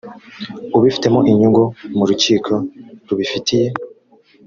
ubifitemo inyungu mu rukiko rubifitiye